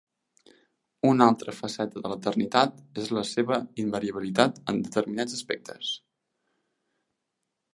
Una altra faceta de l'eternitat és la seva invariabilitat en determinats aspectes.